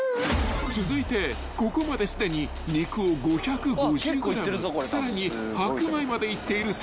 ［続いてここまですでに肉を５５０ｇさらに白米までいっている関］